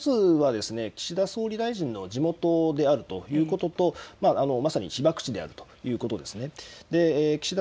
１つは岸田総理大臣の地元であるということとまさに被爆地であるということです。